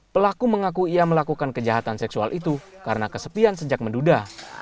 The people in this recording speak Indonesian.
pelaku mengaku ia melakukan kejahatan seksual itu karena kesepian sejak menduda